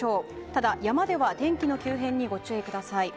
ただ、山では天気の急変にご注意ください。